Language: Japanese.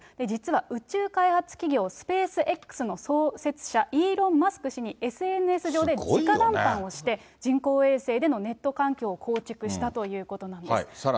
実は、宇宙開発企業、スペースＸの創設者、イーロン・マスク氏にＳＮＳ上で直談判をして人工衛星でのネット環境を構築したということなんです。